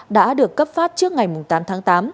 đã được cấp phát trước ngày tám tháng tám